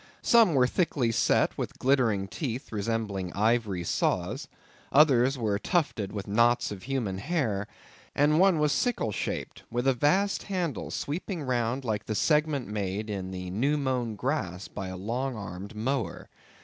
Some were thickly set with glittering teeth resembling ivory saws; others were tufted with knots of human hair; and one was sickle shaped, with a vast handle sweeping round like the segment made in the new mown grass by a long armed mower.